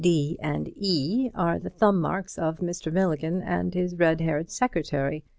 D and E are the thumb marks of Mr. Milligan and his red haired secretary.